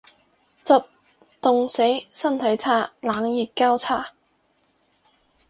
執，凍死。身體差。冷熱交叉